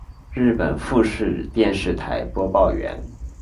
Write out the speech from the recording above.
日本富士电视台播报员。